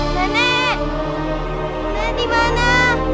nenek nenek di mana